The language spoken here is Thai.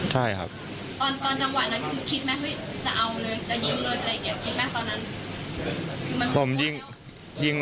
หวังขี้